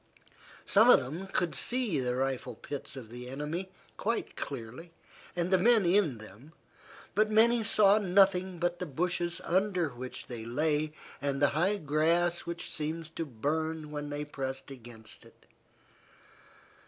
Some of them could see the rifle pits of the enemy quite clearly and the men in them, but many saw nothing but the bushes under which they lay, and the high grass which seemed to burn when they pressed against it.